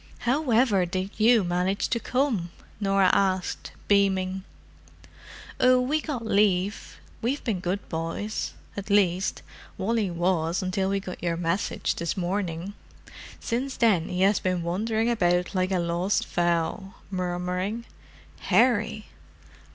"However did you manage to come?" Norah asked, beaming. "Oh, we got leave. We've been good boys—at least, Wally was until we got your message this morning. Since then he has been wandering about like a lost fowl, murmuring, 'Harry!